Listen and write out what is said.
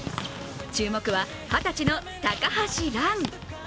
注目は二十歳の高橋藍。